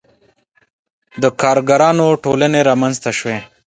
• د کارګرانو ټولنې رامنځته شوې.